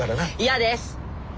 嫌です！